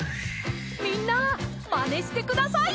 みんなまねしてください！